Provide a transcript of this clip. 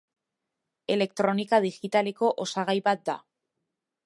Elektronika digitaleko osagai bat da.